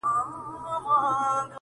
ستا د ژوند په آشیانه کي